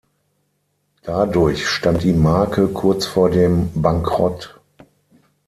Dadurch stand die Marke kurz vor dem Bankrott.